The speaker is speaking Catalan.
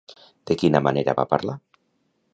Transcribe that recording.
De quina manera va parlar?